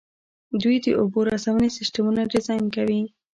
دوی د اوبو رسونې سیسټمونه ډیزاین کوي.